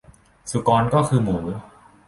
สุกรก็คือหมู